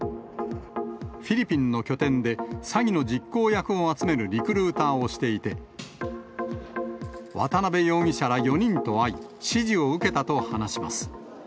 フィリピンの拠点で、詐欺の実行役を集めるリクルーターをしていて、渡辺容疑者ら４人と会い、指示を受けたと話します。